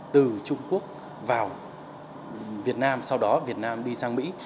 từ trung quốc vào việt nam sau đó việt nam đi sang mỹ